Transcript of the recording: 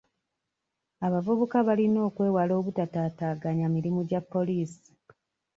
Abavubuka balina okwewala obutaataaganya emirimu gya poliisi.